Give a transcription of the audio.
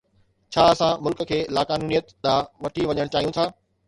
ڇا اسان ملڪ کي لاقانونيت ڏانهن وٺي وڃڻ چاهيون ٿا؟